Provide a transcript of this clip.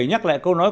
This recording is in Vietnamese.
nhắc lại câu nói